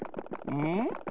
うん？